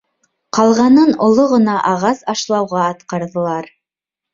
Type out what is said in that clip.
Ҡалғанын оло ғына ағас ашлауға атҡарҙылар.